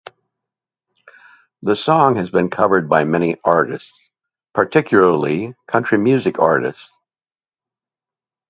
The song has been covered by many artists, particularly country music artists.